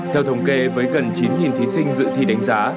theo thống kê với gần chín thí sinh dự thi đánh giá